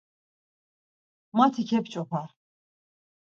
Mati kep̌ç̌opa.